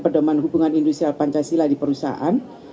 pedoman hubungan industrial pancasila di perusahaan